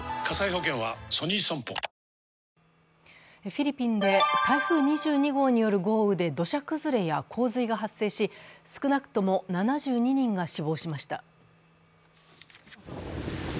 フィリピンで台風２２号による豪雨で土砂崩れが洪水が発生し少なくとも７２人が死亡しました。